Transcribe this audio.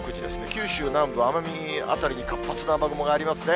九州南部、奄美辺りに活発な雨雲がありますね。